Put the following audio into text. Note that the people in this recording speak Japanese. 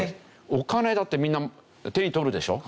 お金だってみんな手に取るでしょ？